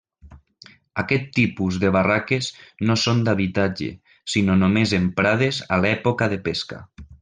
Aquest tipus de barraques no són d'habitatge, sinó només emprades a l'època de pesca.